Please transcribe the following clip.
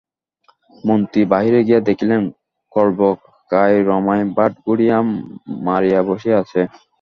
মন্ত্রী বাহিরে গিয়া দেখিলেন, খর্বকায় রমাই ভাঁড় গুড়ি মারিয়া বসিয়া আছে।